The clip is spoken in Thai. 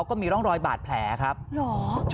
อารมณ์ไม่ดีเพราะว่าอะไรฮะ